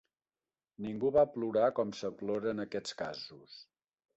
Ningú va plorar, com se plora en aquests casos